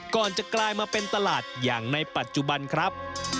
ก่อนจะกลายมาเป็นตลาดอย่างในปัจจุบันครับ